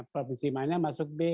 provinsi mana yang masuk b